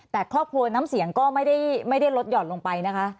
แต่ครอบครัวน้ำเสียงก็ไม่ได้ลดห่อนลงไปนะคะ